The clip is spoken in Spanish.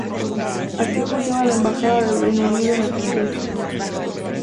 Aquí funciona la embajada del Reino Unido en Argentina.